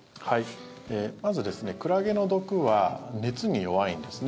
まず、クラゲの毒は熱に弱いんですね。